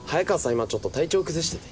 今ちょっと体調崩してて。